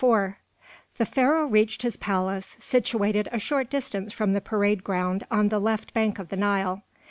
IV The Pharaoh reached his palace, situated a short distance from the parade ground on the left bank of the Nile.